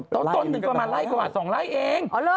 ต้นนึงมาไล่กว่า๒ไล่เอง